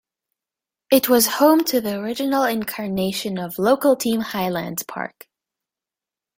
It was home to the original incarnation of local team Highlands Park.